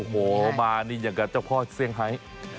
โอ้โหมานี่อย่างกับเจ้าพ่อเซี่ยงไฮ